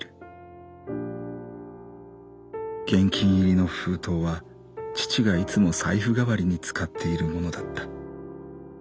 現金入りの封筒は父がいつも財布代わりに使っているものだった。